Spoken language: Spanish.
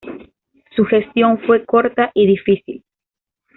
Su gestión fue corta y difícil.